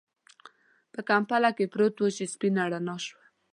په کمپله کې پروت و چې سپينه رڼا شوه.